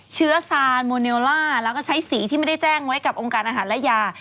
ซานโมเนลล่าแล้วก็ใช้สีที่ไม่ได้แจ้งไว้กับองค์การอาหารและยา